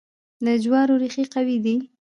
د جوارو ریښې قوي وي.